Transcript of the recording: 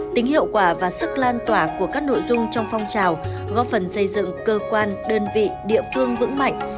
tính hiệu quả và sức lan tỏa của các nội dung trong phong trào góp phần xây dựng cơ quan đơn vị địa phương vững mạnh